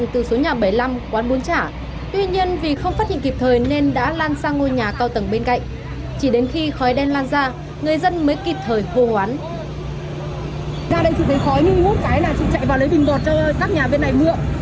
tuy nhiên vì không phát hiện kịp thời nên đã lan sang ngôi nhà cao tầng bên cạnh chỉ đến khi khói đen lan ra người dân mới kịp thời vô ngoán